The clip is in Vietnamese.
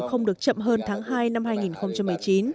không được chậm hơn tháng hai năm hai nghìn một mươi chín